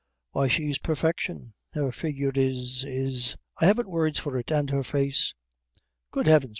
Why she's perfection her figure is is I haven't words for it and her face good heavens!